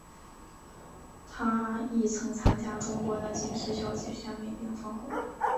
她亦曾参选中国的金石小姐选美并封后。